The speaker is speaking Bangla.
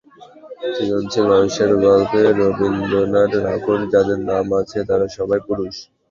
সৃজনশীল মানুষের গল্পে রবীন্দ্রনাথ ঠাকুরসহ যাঁদের নাম আছে, তাঁরা সবাই পুরুষ।